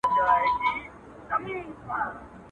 يتيم په ژړا پوخ دئ.